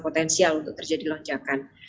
potensial untuk terjadi lonjakan